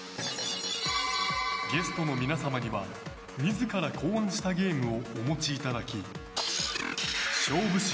ゲストの皆様には自ら考案したゲームをお持ちいただき勝負師